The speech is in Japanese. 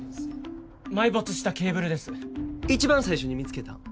埋没したケーブルです一番最初に見つけたん